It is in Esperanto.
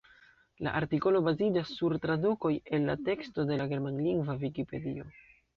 La artikolo baziĝas sur tradukoj el la teksto de la germanlingva vikipedio.